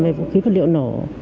về vũ khí vật liệu nổ